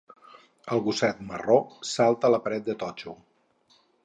El gosset marró salta la paret de totxo